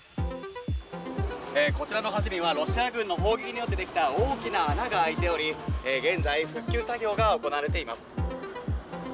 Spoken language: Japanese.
こちらの橋には、ロシア軍の砲撃によって出来た大きな穴が開いており、現在、復旧作業が行われています。